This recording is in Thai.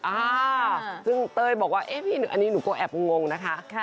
อ่าซึ่งเต้ยบอกว่าเอ๊ะพี่อันนี้หนูก็แอบงงนะคะ